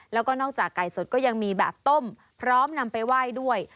แล้วก็นอกจากไก่สดก็ยังมีแบบต้มพร้อมนำไปไหว้ด้วย